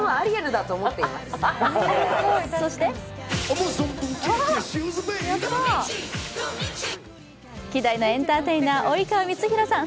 そして希代のエンターテイナー及川光博さん